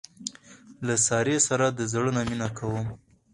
له سارې سره د زړه نه مینه کوم.